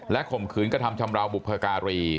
และข่มขืนก็ทำชำราวบุภการี